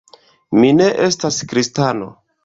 Mi ne estas kristano.